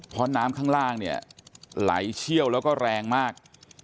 เพราะน้ำข้างล่างเนี่ยไหลเชี่ยวแล้วก็แรงมาก